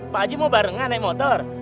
pak haji mau barengan naik motor